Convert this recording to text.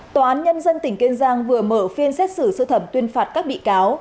tòa án nhân dân tỉnh kiên giang vừa mở phiên xét xử sơ thẩm tuyên phạt các bị cáo